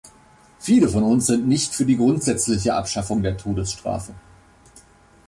Viele von uns sind nicht für die grundsätzliche Abschaffung der Todesstrafe.